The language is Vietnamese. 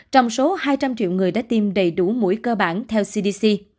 trong số hai trăm linh triệu người đã tiêm đầy đủ mũi cơ bản theo cdc